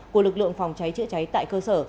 của lực lượng phòng cháy chữa cháy tại cơ sở